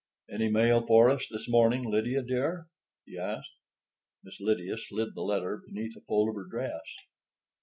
"Any mail for us this morning, Lydia, dear?" he asked. Miss Lydia slid the letter beneath a fold of her dress.